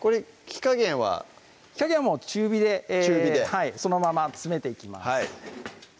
火加減は中火で中火でそのまま詰めていきます